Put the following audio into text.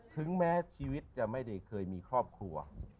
ถึงแม้ชีวิตจะไม่ได้เคยมีครอบครัว